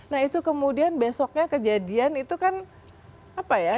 nah itu kemudian besoknya kejadian itu kan apa ya